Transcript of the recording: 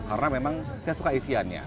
karena memang saya suka isiannya